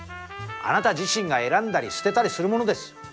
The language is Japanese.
あなた自身が選んだり捨てたりするものです。